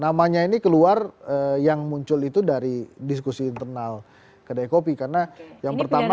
namanya ini keluar yang muncul itu dari diskusi internal kedai kopi karena yang pertama